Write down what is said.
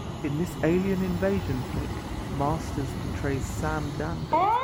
In this alien invasion flick, Marsters portrays Sam Danville.